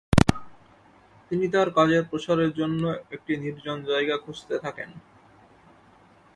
তিনি তার কাজের প্রসারের জন্য একটি নির্জন জায়গা খুজতে থাকেন।